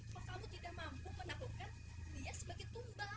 kalau kamu tidak mampu menakutkan dia sebagai tumbal